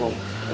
om udah om